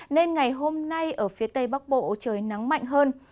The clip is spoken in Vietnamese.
nên ngày hôm nay ở phía tây bắc bộ trời nắng mạnh hơn